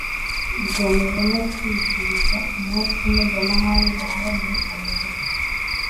igamije no kwizihiza Umunsi Mpuzamahanga wahariwe Abagore